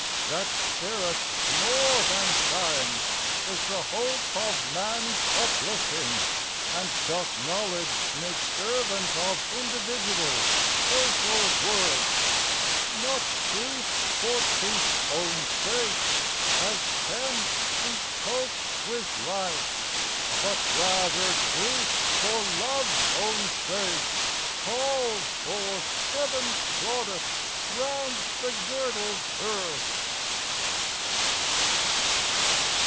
That spirit more than science is the hope Of man's uplifting, and doth knowledge make Servant of individual, social worth. Not truth for truth's own sake, as tense we cope With life, but rather truth for love's own sake Calls forth heaven's plaudit round the girdled earth.